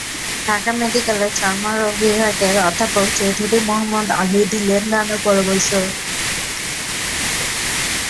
ঢাকা মেডিকেলের চর্মরোগ বিভাগের অধ্যাপক চৌধুরী মোহাম্মদ আলী দিলেন নানা পরামর্শ।